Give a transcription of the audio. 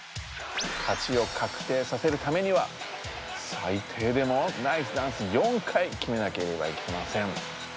勝ちを確定させるためにはさいていでもナイスダンス４回きめなければいけません。